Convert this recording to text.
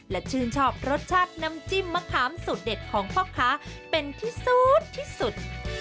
และชื่นชอบรสชาติน้ำจิ้มมะขามสูตรเด็ดของพ่อค้าเป็นที่สุดที่สุด